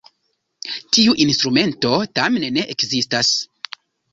Tiu instrumento tamen ne ekzistas.